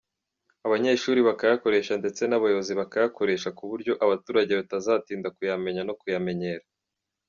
Abanyeshuri bakayakoresha, ndetse n’abayobozi bakayakoresha ku buryo abaturage batazatinda kuyamenya no kuyamenyera.